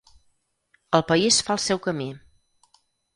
El país fa el seu camí.